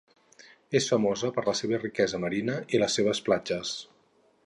És famosa per la seva riquesa marina i les seves platges.